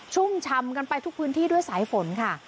ชุ่มชำกันไปทุกพื้นที่ด้วยสายฝนค่ะ